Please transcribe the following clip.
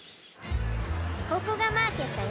ここがマーケットよ。